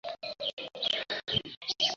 একটু আয়েশ করলে কি এমন ক্ষতি!